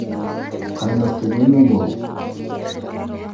- Ҡәбер түгелме был?